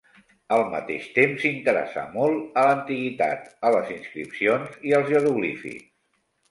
Al mateix temps s'interessà molt a l'antiguitat, a les inscripcions i als jeroglífics.